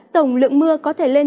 tổng lượng mưa có thể lên